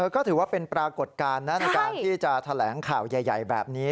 ก็ถือว่าเป็นปรากฏการณ์ในการที่จะแถลงข่าวใหญ่แบบนี้